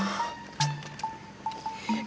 saya ambil gunting mumpung belum ngantri